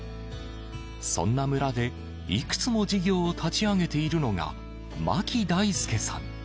そんな村で、いくつも事業を立ち上げているのが牧大介さん。